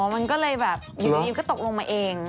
มันก็เลยแบบอยู่ดีก็ตกลงมาเอง